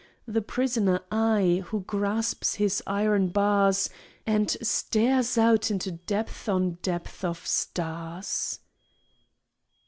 The prisoner I, who grasps his iron bars And stares out into depth on depth of stars!